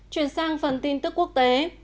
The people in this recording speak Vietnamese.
chuyển sang phần tin tức quốc tế